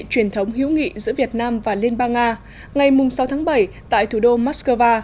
truyền thống hữu nghị giữa việt nam và liên bang nga ngày sáu bảy tại thủ đô moscow